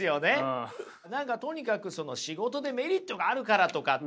何かとにかくその仕事でメリットがあるからとかっていうね